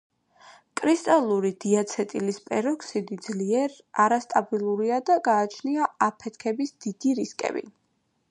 კრისტალური დიაცეტილის პეროქსიდი ძლიერ არასტაბილურია და გააჩნია აფეთქების დიდი რისკები.